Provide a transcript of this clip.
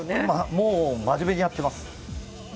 もう真面目にやってます。